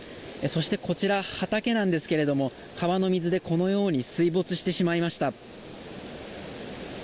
そして、こちら畑なんですけども川の水でこのように水没してしまいました。